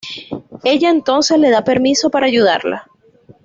Ella entonces le da permiso para ayudarla.